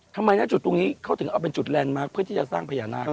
ทำไมนะจุดตรงนี้เขาถึงเอาเป็นจุดแลนดมาร์คเพื่อที่จะสร้างพญานาค